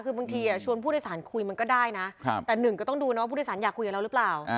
คือบางทีชวนผู้โดยสารคุยมันก็ได้นะแต่หนึ่งก็ต้องดูนะว่าผู้โดยสารอยากคุยกับเราหรือเปล่า